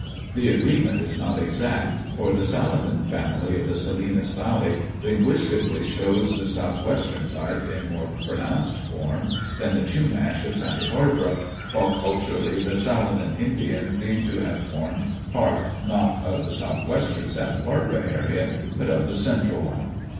The agreement is not exact, for the Sali nan family of the Salinas Valley linguistically shows the south western type in more pronounced form than the Chumash of Santa Barbara, while culturally the Salinan Indians seem to have formed part, not of the southwestern Santa Barbara area, but of the central one.